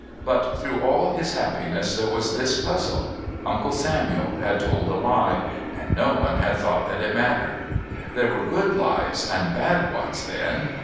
But through all his happiness there was this puzzle: Uncle Samuel had told a lie, and no one had thought that it mattered. There were good lies and bad ones then.